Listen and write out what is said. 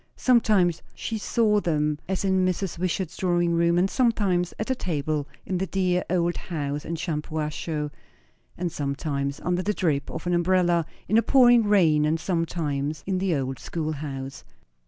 Sometimes she saw them as in Mrs. Wishart's drawing room, and sometimes at the table in the dear old house in Shampuashuh, and sometimes under the drip of an umbrella in a pouring rain, and sometimes in the old schoolhouse.